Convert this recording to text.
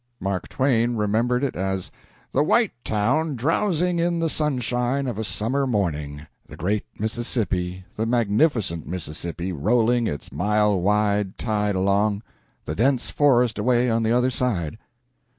Mark Twain remembered it as "the white town drowsing in the sunshine of a summer morning, ... the great Mississippi, the magnificent Mississippi, rolling its mile wide tide along, .... the dense forest away on the other side."